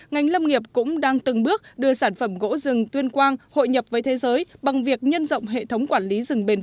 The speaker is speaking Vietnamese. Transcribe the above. ngành lâm nghiệp cũng đang từng bước đưa sản phẩm gỗ rừng tuyên quang hội nhập với thế giới